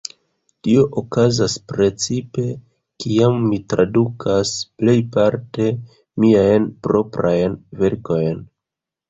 Tio okazas precipe kiam mi tradukas, plejparte miajn proprajn verkojn.